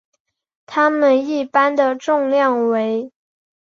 它们一般的重量为。